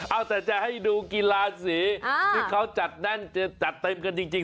เอาแต่จะให้ดูกีฬาสีที่เขาจัดแน่นจะจัดเต็มกันจริง